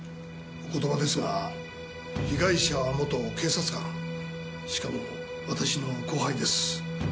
お言葉ですが被害者は元警察官しかも私の後輩です。